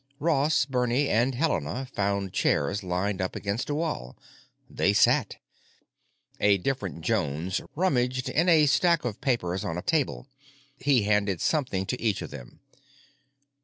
Ross, Bernie, and Helena found chairs lined up against a wall; they sat. A different Jones rummaged in a stack of papers on a table; he handed something to each of them.